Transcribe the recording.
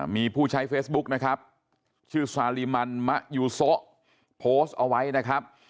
มีผู้ใช้เฟซบุ๊กนะครับชื่อซาลีมันมะยูโซะโพสต์เอาไว้นะครับ